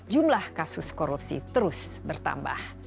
jumlah kasus korupsi terus bertambah